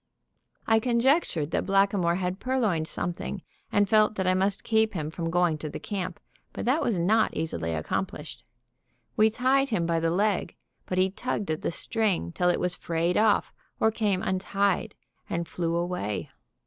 I conjectured that Blackamoor had purloined something, and felt that I must keep him from going to the camp; but that was not easily accomplished. We tied him by the leg, but he tugged at the string till it was frayed off or came untied, and flew away.